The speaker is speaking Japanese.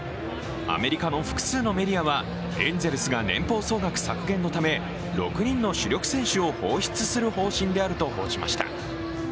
アメリカの複数のメディアはエンゼルスが年俸総額削減のため６人の主力選手を放出する方針であると報じました。